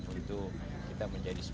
jadi kita menjadi sepuluh besar